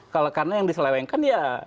karena yang diselewengkan